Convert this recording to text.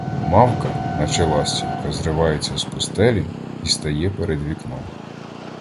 Мавка, наче ластівка, зривається з постелі і стає перед вікном.